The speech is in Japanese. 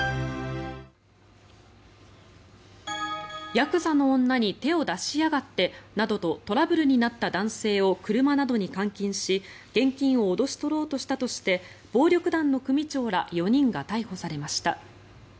ヤクザの女に手を出しやがってなどとトラブルになった男性を車などに監禁し現金を脅し取ろうとしたとして暴力団の組長ら４人が逮捕されました。